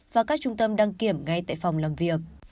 và các trung tâm đăng kiểm ngay tại phòng làm việc